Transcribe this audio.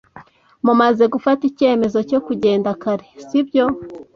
Mumaze gufata icyemezo cyo kugenda kare, sibyo?